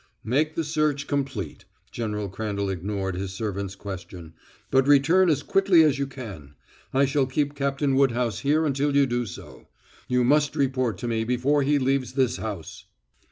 "Make the search complete." General Crandall ignored his servant's question. "But return as quickly as you can. I shall keep Captain Woodhouse here until you do so. You must report to me before he leaves this house."